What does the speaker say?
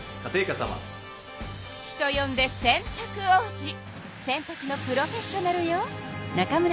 人よんで洗たく王子洗たくのプロフェッショナルよ。